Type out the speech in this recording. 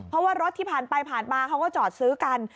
เพราะว่ารถที่ผ่านไปผ่านมาเขาก็จอดซื้อกัน